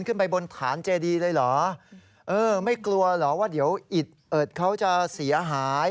ขึ้นไปบนฐานเจดีเลยเหรอเออไม่กลัวเหรอว่าเดี๋ยวอิดเอิดเขาจะเสียหาย